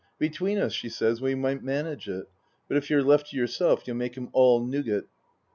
" Between us," she says, " we might manage it. But if you're left to yourself you'll make him all nougat."